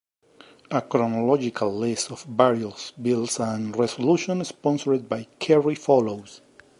A chronological list of various bills and resolutions sponsored by Kerry follows.